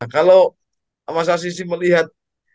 kalau sama sisi melihat